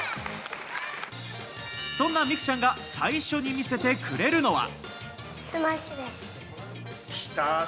そんな美空ちゃんが最初に見せてくれるのは。